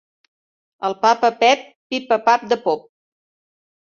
El papa Pep pipa pap de pop.